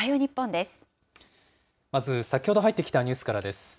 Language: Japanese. まず、先ほど入ってきたニュースからです。